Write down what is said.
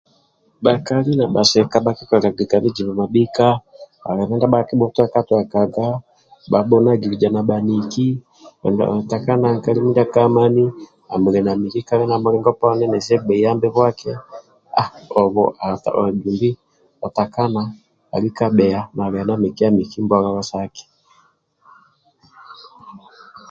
Bhakali na bhasika bhakikololiga ka bizibu mabhika alibe ndia bhakibhuywekatwekaga bhabhunagiluza na bhaniki otakana nkali mindia kamani amuli na miki kali na mulingo nesi agbei yambibwak haa ogu okana alika bhiya nalia na mikya miki mbololo saki